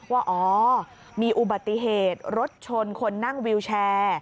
ว่าอ๋อมีอุบัติเหตุรถชนคนนั่งวิวแชร์